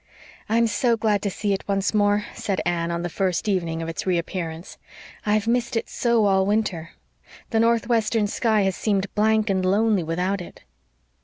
"I'm so glad to see it once more," said Anne, on the first evening of its reappearance. "I've missed it so all winter. The northwestern sky has seemed blank and lonely without it."